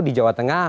di jawa tengah